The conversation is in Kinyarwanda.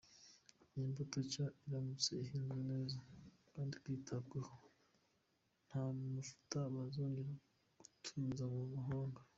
Iyi mbuto nshya iramutse ihinzwe neza kandi ikitabwaho nta mavuta yazongera gutumizwa mu mahanga.